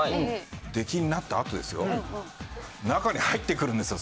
出禁になったあと中に入ってくるんですよ